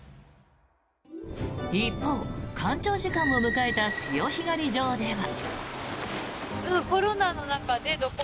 一方、干潮時間を迎えた潮干狩り場では。